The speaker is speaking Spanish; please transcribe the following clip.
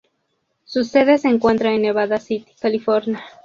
Su sede se encuentra en Nevada City, California.